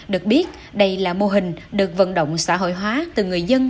được biết đây là mô hình được vận động xã hội hóa từ người dân